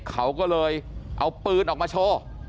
เขาก็เลยเอาปืนออกมาโชว์